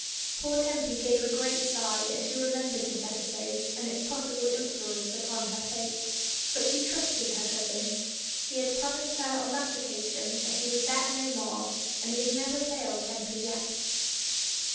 STELLA MEA. 1 73 Poor Tempy gave a great sigh as she remem bered this episode and its possible influence upon her fate, but she trusted her cousin. He had pro mised her on that occasion that he would bet no more, and he had never failed Tempy yet.